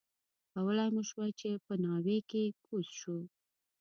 کولای مو شوای چې په ناوې کې کوز شو.